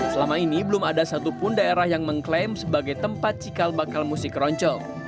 selama ini belum ada satupun daerah yang mengklaim sebagai tempat cikal bakal musik keroncong